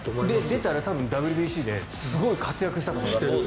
出たら多分ＷＢＣですごい活躍したと思います。